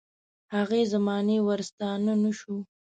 هغې زمانې ورستانه نه شو.